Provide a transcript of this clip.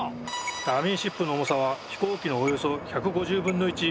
ダミーシップの重さは飛行機のおよそ１５０分の１。